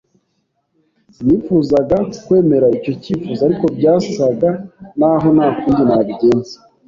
Sinifuzaga kwemera icyo cyifuzo, ariko byasaga naho nta kundi nabigenza.